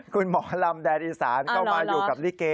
คุณหมอลำแดนอีสานก็มาอยู่กับลิเก